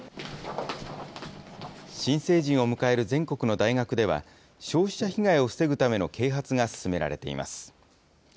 新成人を迎える全国の大学では、消費者被害を防ぐための啓発が進められています。